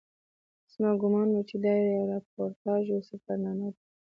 زما ګومان و چې دا یې راپورتاژ یا سفرنامه ده.